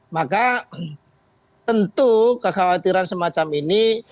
maka tentu kekhawatiran semacam ini